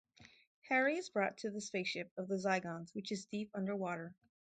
Harry is brought to the spaceship of the Zygons, which is deep underwater.